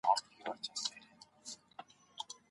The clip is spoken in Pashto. محصلین په ګروپي ډول پروژي مخته وړي.